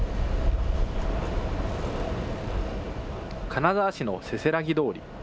金沢市のせせらぎ通り。